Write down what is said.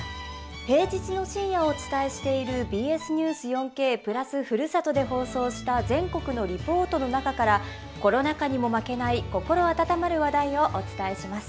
平日の深夜お伝えしている「ＢＳニュース４Ｋ＋ふるさと」で放送した全国のリポートの中からコロナ禍にも負けない心温まる話題をお伝えします。